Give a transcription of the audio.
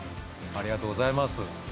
「ありがとうございます」